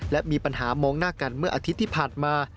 และมีปัญหามองหน้ากันเมื่ออาทิตย์ที่ผ่านมา